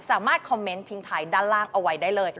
สามารถคอมเมนต์ทิ้งท้ายด้านล่างเอาไว้ได้เลย